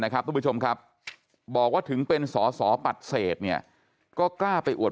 ทุกผู้ชมครับบอกว่าถึงเป็นสอสอปัดเศษเนี่ยก็กล้าไปอวด